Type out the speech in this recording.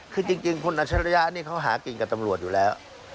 คือจริงคุณอัชริยะนี่เขาหากินกับตำรวจอยู่แล้ว